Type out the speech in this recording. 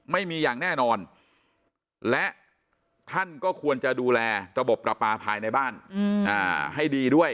ไม่มีอย่างแน่นอนและท่านก็ควรจะดูแลระบบประปาภายในบ้านให้ดีด้วย